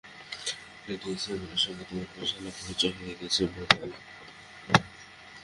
Lady ইসাবেলের সঙ্গে তোমার বেশ আলাপ-পরিচয় হয়ে গেছে বোধ হয়।